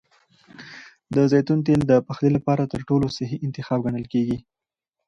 د زیتون تېل د پخلي لپاره تر ټولو صحي انتخاب ګڼل کېږي.